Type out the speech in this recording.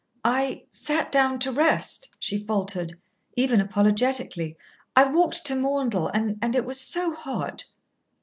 "I sat down to rest," she faltered, even apologetically. "I walked to Maundell, and it was so hot."